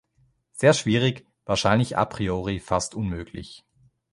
Sehr schwierig, wahrscheinlich a priori fast unmöglich.